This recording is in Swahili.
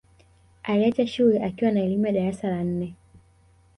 Aliacha shule akiwa na elimu ya darasa la nne